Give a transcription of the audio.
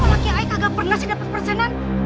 kok laki laki kagak pernah sih dapet persenan